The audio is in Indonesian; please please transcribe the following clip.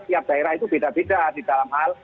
tiap daerah itu beda beda di dalam hal